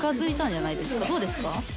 どうですか？